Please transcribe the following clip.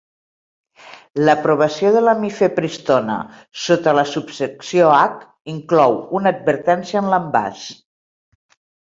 L'aprovació de la mifepristona sota la subsecció H inclou una advertència en l'envàs.